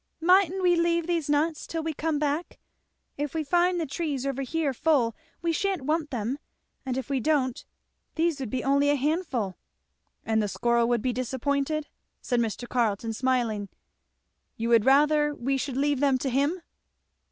"Mightn't we leave these nuts till we come back? If we find the trees over here full we sha'n't want them; and if we don't, these would be only a handful " "And the squirrel would be disappointed?" said Mr. Carleton smiling. "You would rather we should leave them to him?"